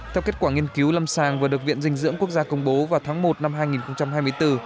theo kết quả nghiên cứu lâm sàng vừa được viện dinh dưỡng quốc gia công bố vào tháng một năm hai nghìn hai mươi bốn